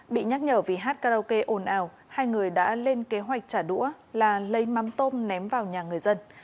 bị nhắc nhở vì hát karaoke ồn ào hai người đã lên kế hoạch trả đũa là lấy mắm tôm ném vào nhà người dân